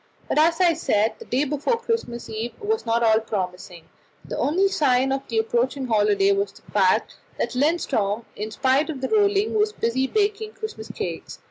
But, as I said, the day before Christmas Eve was not at all promising. The only sign of the approaching holiday was the fact that Lindström, in spite of the rolling, was busy baking Christmas cakes.